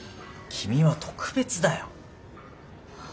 君は特別だよ。